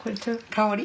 香り？